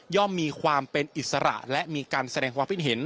มีความเป็นอิสระและมีการแสดงความคิดเห็น